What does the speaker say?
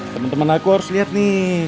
temen temen aku harus liat nih